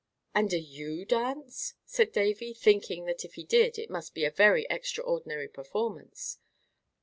"And do you dance?" said Davy, thinking that if he did it must be a very extraordinary performance.